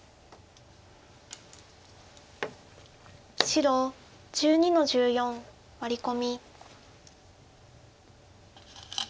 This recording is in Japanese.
白１２の十四ワリ込み。